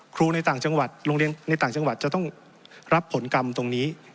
ในต่างจังหวัดโรงเรียนในต่างจังหวัดจะต้องรับผลกรรมตรงนี้